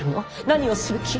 何をする気。